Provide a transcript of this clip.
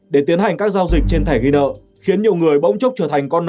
để tiến hành các giao dịch trên thẻ ghi nợ